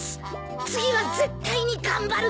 次は絶対に頑張るから。